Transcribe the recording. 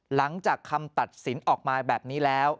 หลังจากคำตัดสินออกมาแบบนี้แล้ว